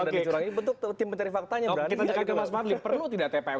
dari curang itu betul betul tim mencari faktanya berarti kita juga kemas panggilan perlu tidak tpf